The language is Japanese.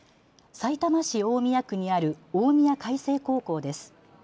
さいたま市大宮区にある大宮開成高校です。